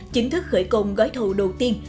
chính thức khởi công gói thầu đầu tiên